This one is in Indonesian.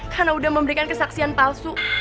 karena udah memberikan kesaksian palsu